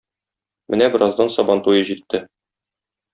Менә бераздан сабан туе җитте.